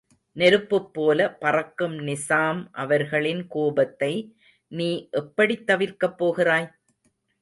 நெருப்புப்போல பறக்கும் நிசாம் அவர்களின் கோபத்தை நீ எப்படித் தவிர்க்கப் போகிறாய்?